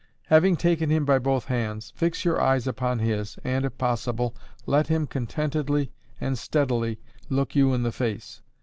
Having taken him by both hands, fix your eyes upon his, and, if possible, let him contentedly and steadily look you in the face.